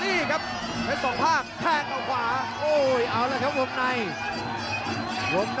นี่ครับไอ้สองภาคแคกข้าขวาโอ้เอาแล้วครับวงในวง